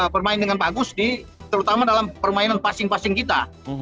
bermain dengan bagus terutama dalam permainan passing passing kita